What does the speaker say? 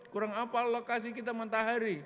kurang apa allah kasih kita matahari